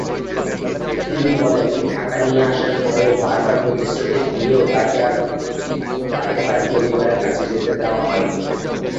তিনি বলেন, ঢাকায় নিয়ে আসার পরেও বারবার প্রতিশ্রুতি দিয়েও তাকে তার পরিবারের কাছে যেতে দেওয়া হয়নি।